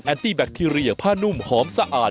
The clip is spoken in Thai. ตี้แบคทีเรียผ้านุ่มหอมสะอาด